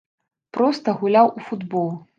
Проста гуляў у футбол!